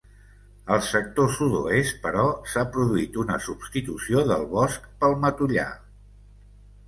Al sector sud-oest, però, s'ha produït una substitució del bosc pel matollar.